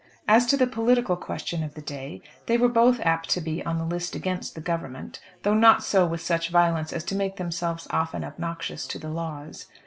As to the political question of the day, they were both apt to be on the list against the Government, though not so with such violence as to make themselves often obnoxious to the laws.